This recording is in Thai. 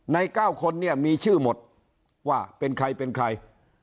๙คนเนี่ยมีชื่อหมดว่าเป็นใครเป็นใคร